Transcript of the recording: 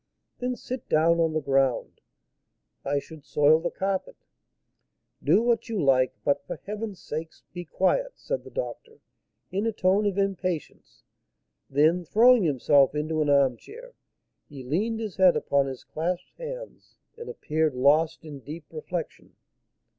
"Then sit down on the ground." "I should soil the carpet." "Do what you like, but, for heaven's sake, be quiet!" said the doctor, in a tone of impatience; then, throwing himself into an armchair, he leaned his head upon his clasped hands, and appeared lost in deep reflection.